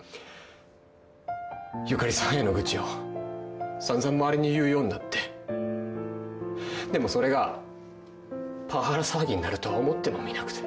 ゆかりさんへの愚痴を散々周りに言うようになってでもそれがパワハラ騒ぎになるとは思ってもみなくて。